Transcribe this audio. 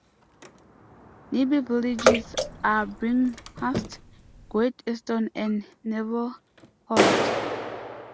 Nearby villages are Bringhurst, Great Easton and Nevill Holt.